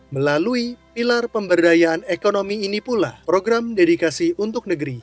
melalui pilar pemberdayaan ekonomi ini pula program dedikasi untuk negeri